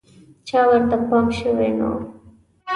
چا ورته پام شوی نه و.